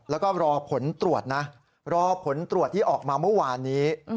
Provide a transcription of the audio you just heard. แล้วก็รอผลตรวจนะรอผลตรวจที่ออกมาเมื่อวานนี้